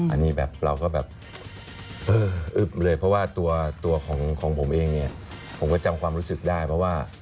อันนี้แบบเราก็แบบเอออึ๊บเลยเพราะว่าตัวของผมเองเนี่ยผมก็จำความรู้สึกได้เพราะว่า